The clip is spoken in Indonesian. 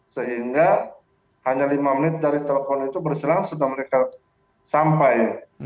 sehingga hanya lima menit dari telepon itu berselang sudah mereka sampai